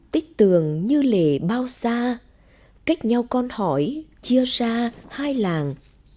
tích tường như lề bao xa cách nhau con hỏi chia xa hai làng